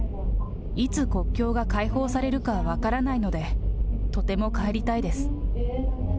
いつ国境が開放されるか分からないので、とても帰りたいです。